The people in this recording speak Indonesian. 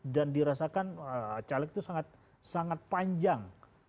dan dirasakan caleg itu sangat panjang